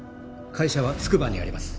会社は筑波にあります。